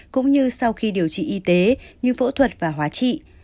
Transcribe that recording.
cũng như sau khi điều trị y tế như phẫu thuật và hóa trị